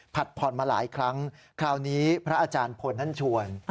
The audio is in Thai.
ผ่อนมาหลายครั้งคราวนี้พระอาจารย์พลท่านชวน